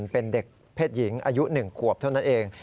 เป็นเด็กเพศหญิงอายุ๑ขวบเท่านั้นเอง